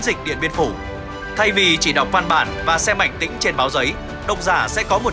dịch điện biên phủ thay vì chỉ đọc văn bản và xem ảnh tĩnh trên báo giấy đồng giả sẽ có một